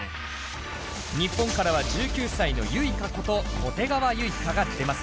日本からは１９歳のＹｕｉｋａこと小手川結翔が出ます。